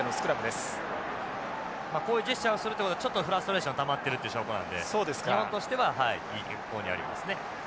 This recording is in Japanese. まあこういうジェスチャーをするということはちょっとフラストレーションがたまってるって証拠なんで日本としてはいい傾向にありますね。